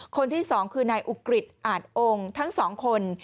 คนที่สองคือนายอุกริตอาทองทั้งสองคน